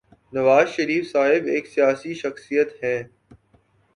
نواز شریف صاحب ایک سیاسی شخصیت ہیں۔